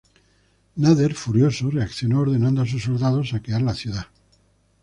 Nader, furioso, reaccionó ordenando a sus soldados saquear la ciudad.